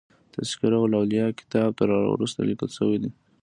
تذکرة الاولیاء کتاب تر را وروسته لیکل شوی.